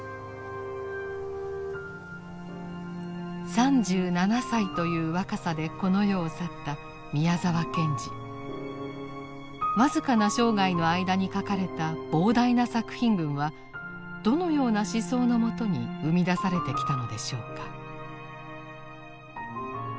３７歳という若さでこの世を去った僅かな生涯の間に書かれた膨大な作品群はどのような思想のもとに生み出されてきたのでしょうか。